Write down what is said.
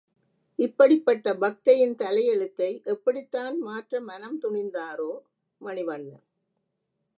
இப்படிப்பட்ட பக்தையின் தலையெழுத்தை எப்படித்தான் மாற்ற மனம் துணிந்தாரோ மணிவண்ணன்?